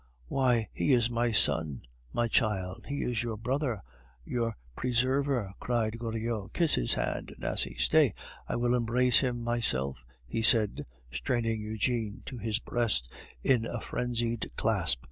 "Why, he is my son, my child; he is your brother, your preserver!" cried Goriot. "Kiss his hand, Nasie! Stay, I will embrace him myself," he said, straining Eugene to his breast in a frenzied clasp.